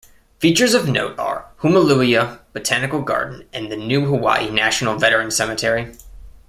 Features of note are Hoomaluhia Botanical Garden and the new Hawaii National Veterans Cemetery.